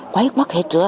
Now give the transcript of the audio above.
quấy mất hết rồi